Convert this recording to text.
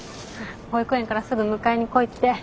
保育園からすぐ迎えに来いって。